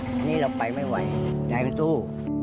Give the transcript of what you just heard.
อันนี้เราไปไม่ไหวใจมันสู้